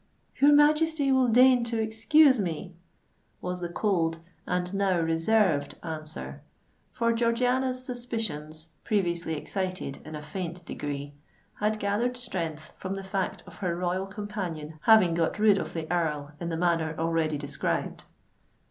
"Your Majesty will deign to excuse me," was the cold and now reserved answer; for Georgiana's suspicions, previously excited in a faint degree, had gathered strength from the fact of her royal companion having got rid of the Earl in the manner already described.